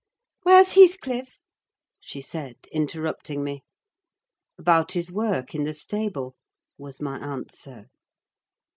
"Where's Heathcliff?" she said, interrupting me. "About his work in the stable," was my answer.